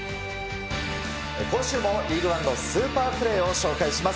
今週もリーグワンのスーパープレーを紹介します。